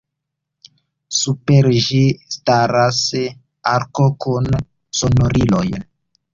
Super ĝi staras arko kun sonoriloj.